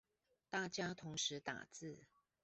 大家同時打字